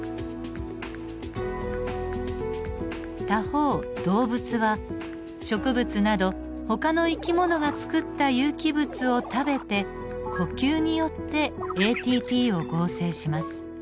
他方動物は植物などほかの生き物がつくった有機物を食べて呼吸によってＡＴＰを合成します。